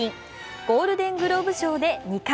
ゴールデングローブ賞で２冠。